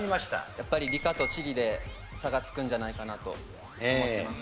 やっぱり理科と地理で差がつくんじゃないかなと思ってます。